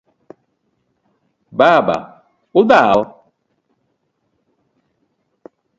Baba: Udhao?